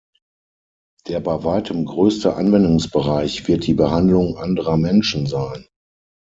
Der bei Weitem größte Anwendungsbereich wird die Behandlung anderer Menschen sein.